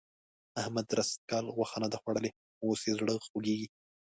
احمد درست کال غوښه نه ده خوړلې؛ اوس يې زړه خوږېږي.